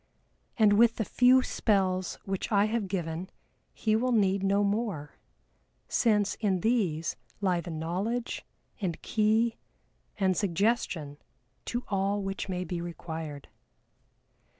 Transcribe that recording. And with the few spells which I have given he will need no more, since in these lie the knowledge, and key, and suggestion to all which may be required.